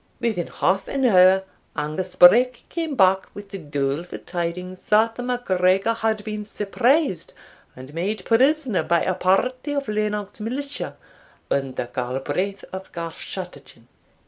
Within half an hour Angus Breck came back with the doleful tidings that the MacGregor had been surprised and made prisoner by a party of Lennox militia, under Galbraith of Garschattachin."